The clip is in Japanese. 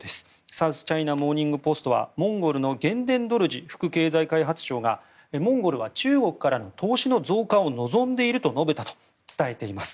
サウスチャイナ・モーニング・ポストはモンゴルのゲンデンドルジ副経済開発相がモンゴルは中国からの投資の増加を望んでいると述べたと伝えています。